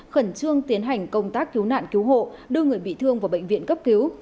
khẩn trương tiến hành công tác cứu nạn cứu hộ đưa người bị thương vào bệnh viện cấp cứu